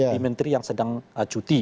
di menteri yang sedang cuti